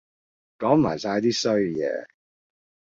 講埋哂啲衰嘢